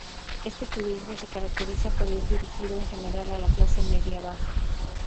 Este turismo se caracteriza por ir dirigido en general a la clase media baja.